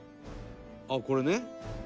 「あっこれね」